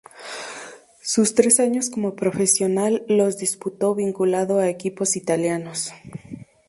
Sus tres años como profesional los disputó vinculado a equipos italianos.